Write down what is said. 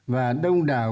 và đông đảo